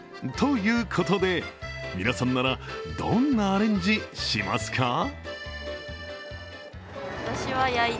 ということで、皆さんならどんなアレンジ、しますか？